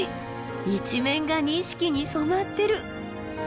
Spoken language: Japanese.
一面が錦に染まってる。